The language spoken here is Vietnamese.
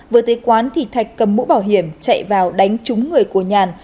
vừa tới quán thì thạch cầm mũ bảo hiểm chạy vào đánh trúng người của nhàn